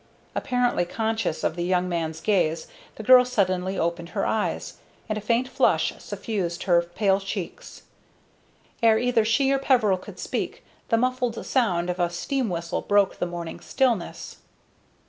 Apparently conscious of the young man's gaze, the girl suddenly opened her eyes, and a faint flush suffused her pale cheeks. Ere either she or Peveril could speak, the muffled sound of a steam whistle broke the morning stillness.